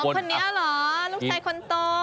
คนนี้เหรอลูกชายคนโต